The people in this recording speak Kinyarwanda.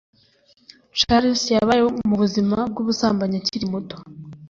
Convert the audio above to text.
Charles yabayeho mubuzima bwubusambanyi akiri muto